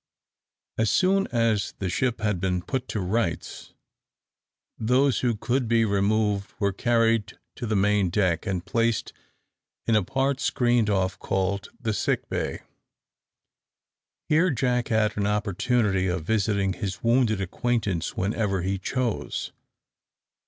As soon as the ship had been put to rights, those who could be removed were carried to the main deck, and placed in a part screened off, called the sick bay. Here Jack had an opportunity of visiting his wounded acquaintance whenever he chose.